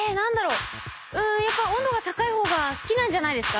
うんやっぱ温度が高い方が好きなんじゃないですか？